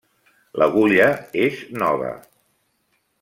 L'agulla és nova.